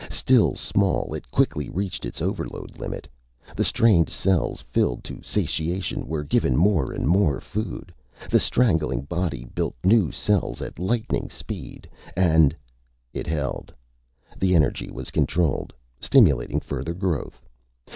Still small, it quickly reached its overload limit. The strained cells, filled to satiation, were given more and more food. The strangling body built new cells at lightning speed. And It held. The energy was controlled, stimulating further growth.